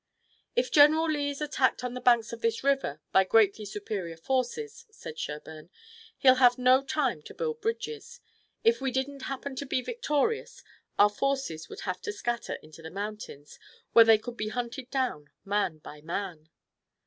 "If General Lee is attacked on the banks of this river by greatly superior forces," said Sherburne, "he'll have no time to build bridges. If we didn't happen to be victorious our forces would have to scatter into the mountains, where they could be hunted down, man by man."